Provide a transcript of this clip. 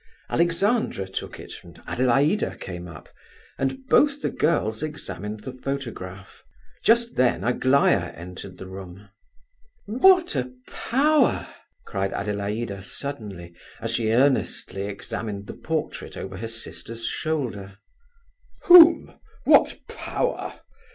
Alexandra took it, and Adelaida came up, and both the girls examined the photograph. Just then Aglaya entered the room. "What a power!" cried Adelaida suddenly, as she earnestly examined the portrait over her sister's shoulder. "Whom? What power?"